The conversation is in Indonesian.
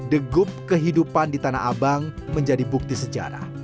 degup kehidupan di tanah abang menjadi bukti sejarah